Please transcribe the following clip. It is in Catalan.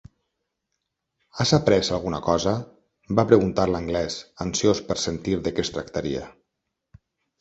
"Has après alguna cosa?", va preguntar l'anglès, ansiós per sentir de què es tractaria.